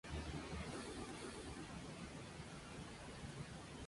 Los paralelos son rectos pero desigualmente espaciados.